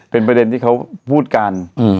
เป็นประเด็นที่เขาพูดกัน